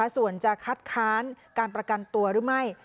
ส่วนจะคัดค้านการประกันตัวหรือไม่